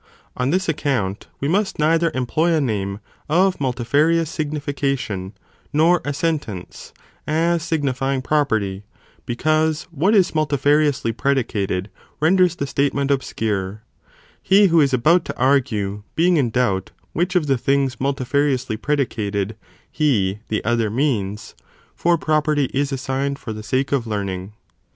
On this account we must neither employ a name of multifarious signification nor a sentence, as signifying pro perty, because what is multifariously predicated, renders the statement obscure ; he who is about to argue being in doubt which of the things multifariously predicated he (the other) means, for property is assigned for the sake of learning.